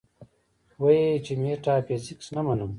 وې ئې چې ميټافزکس نۀ منم -